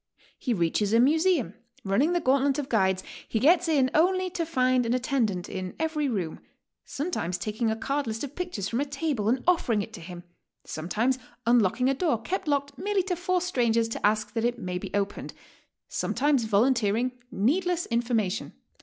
He reaches a museum; running the gauntlet of guides, he gets in only to find an attendant in eVeryroom, sometimes taking a card list of pictures from a table and offering it to him, sometimes unlocking a door kept locked merely to force strangers to ask that it may be opened, sometimes volunteer ing needless information.